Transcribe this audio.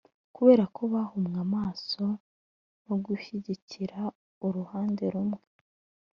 kubera ko bahumwe amaso no gushyigikira uruhande rumwe,